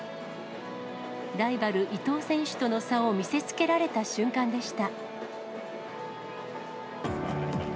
ライバル、伊藤選手との差を見せつけられた瞬間でした。